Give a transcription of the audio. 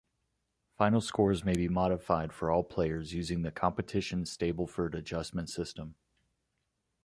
Final scores may be modified for all players using the Competition Stableford Adjustment system.